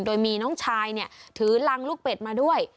โดยมีน้องชายเนี่ยถือรังลูกเป็ดมาด้วย